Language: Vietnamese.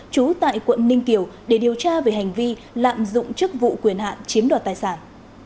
trú tại quận ninh kiều để điều tra về hành vi lạm dụng chức vụ quyền hạn chiếm đoạt tài sản